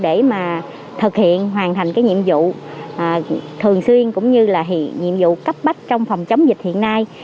để mà thực hiện hoàn thành cái nhiệm vụ thường xuyên cũng như là hiện nhiệm vụ cấp bách trong phòng chống dịch hiện nay